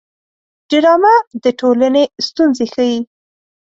ډرامه د ټولنې ستونزې ښيي